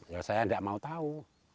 ya saya nggak mau tahu